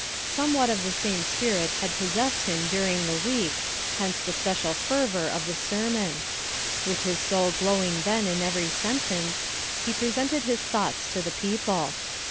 Somewhat of the same spirit had possessed him during the week, hence the special fervour of the sermon. With his soul glowing then in every sentence, he presented his thoughts to the people.